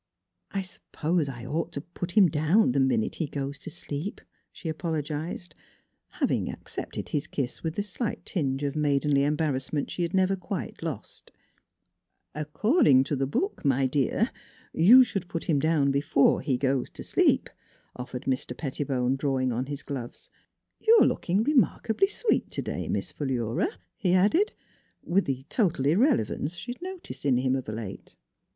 " I suppose I ought to put him down the minute he goes to sleep," she apologized having ac cepted his kiss with the slight tinge of maidenly embarrassment she had never quite lost. IOO NEIGHBORS 101 "According to book, my dear, you should put him down before he goes to sleep," offered Mr. Pettibone, drawing on his gloves. ..." You're looking remarkably sweet today, Miss Philura," he added, with the total irrelevance she had noticed in him of late.